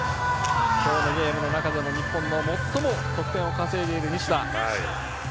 今日のゲームの中でも、日本で最も得点を稼いでいる西田。